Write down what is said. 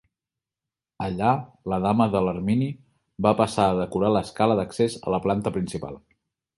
Allà la Dama de l'Ermini va passar a decorar l'escala d'accés a la planta principal.